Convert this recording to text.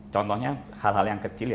contohnya hal hal yang kecil ya